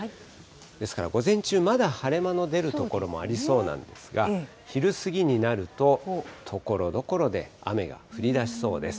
ですから、午前中、まだ晴れ間の出る所もありそうなんですが、昼過ぎになると、ところどころで雨が降りだしそうです。